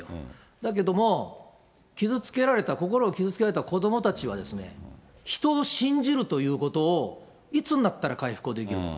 だけども、傷つけられた、心を傷つけられた子どもたちはですね、人を信じるということをいつになったら回復ができるのか。